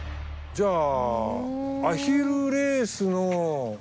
じゃあ。